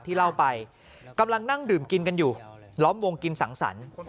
เล่าไปกำลังนั่งดื่มกินกันอยู่ล้อมวงกินสังสรรค์